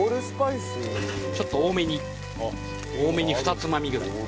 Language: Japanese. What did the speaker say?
ちょっと多めに多めに２つまみぐらい。